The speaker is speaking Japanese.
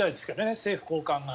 政府高官が。